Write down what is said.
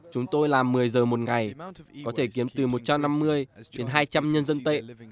chúng tôi làm một mươi giờ một ngày có thể kiếm từ một trăm năm mươi đến hai trăm linh nhân dân tệ